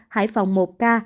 hải phòng một ca